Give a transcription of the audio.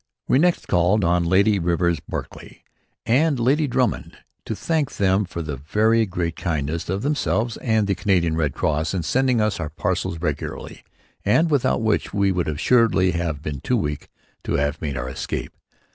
We next called on Lady Rivers Bulkeley and Lady Drummond to thank them for the very great kindness of themselves and the Canadian Red Cross in sending us our parcels regularly, and without which we would assuredly have been too weak to have made our escape.